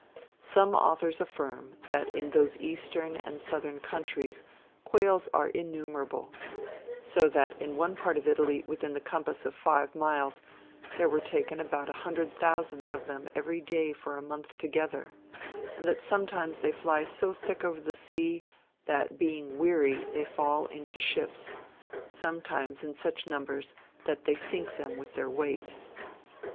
Some authors affirm, that in those eastern and southern countries, quails are innumerable, so that in one part of Italy within the compass of five miles, there were taken about an hundred thousand of them every day for a month together; and that sometimes they fly so thick over the sea, that being weary they fall into ships, sometimes in such numbers, that they sink them with their weight."